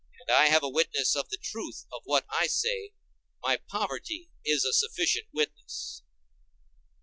And I have a witness of the truth of what I say; my poverty is a sufficient witness.